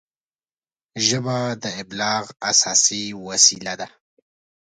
ژبه د ابلاغ اساسي وسیله ده